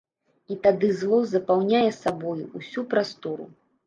І тады зло запаўняе сабою ўсю прастору.